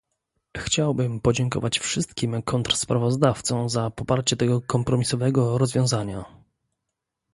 Chciałbym podziękować wszystkim kontrsprawozdawcom za poparcie tego kompromisowego rozwiązania